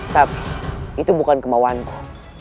tapi itu bukan kemauanku